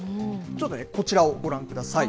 ちょっとね、こちらをご覧ください。